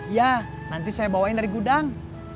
ya nanti saya bawain dari gudang